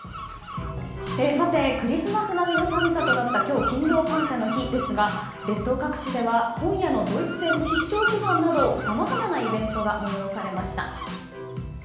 クリスマス並みの寒さとなった今日、勤労感謝の日ですが列島各地では今夜のドイツ戦の必勝祈願などさまざまなイベントが催されました。